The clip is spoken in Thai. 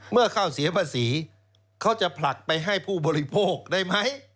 เมื่อข้าวเสียภาษีเขาจะผลักไปให้ผู้บริโภคได้ไหม